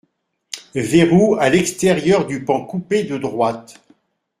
Verrou à l’extérieur du pan coupé de droite.